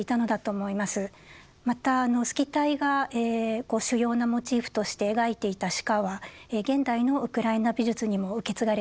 またあのスキタイが主要なモチーフとして描いていた鹿は現代のウクライナ美術にも受け継がれています。